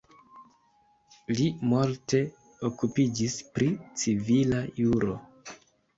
Li multe okupiĝis pri civila juro.